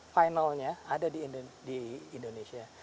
finalnya ada di indonesia